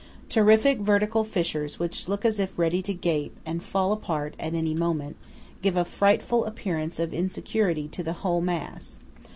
Terrific vertical fissures which look as if ready to gape and fall apart at any moment, give a frightful appearance of insecurity to the whole mass.